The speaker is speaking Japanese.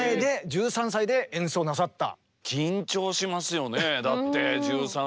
１３歳で演奏なさった。